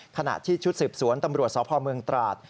ขณะที่ชุดสืบสวนตำรวจสพเมืองตราด